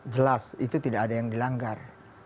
jelas itu tidak ada yang dilanggar